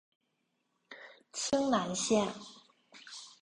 清南线